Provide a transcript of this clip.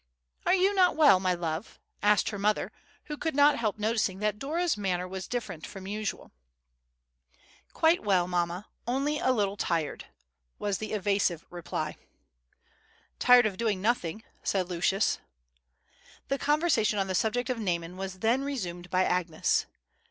"Are you not well, my love?" asked her mother, who could not help noticing that Dora's manner was different from usual. "Quite well, mamma; only a little tired," was the evasive reply. "Tired of doing nothing," said Lucius. The conversation on the subject of Naaman was then resumed by Agnes.